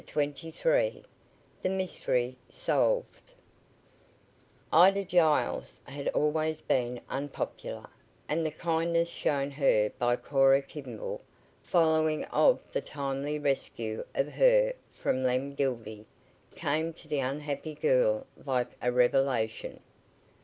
CHAPTER XXIII THE MYSTERY SOLVED Ida Giles had always been unpopular, and the kindness shown her by Cora Kimball, following opt the timely rescue of her from Lem Gildy, came to the unhappy girl like a revelation.